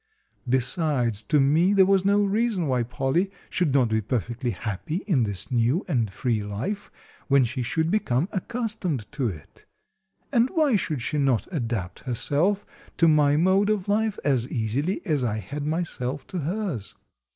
Besides, to me, there was no reason why Polly should not be perfectly happy in this new and free life, when she should become accustomed to it. And why should she not adapt herself to my mode of life as easily as I had myself to hers?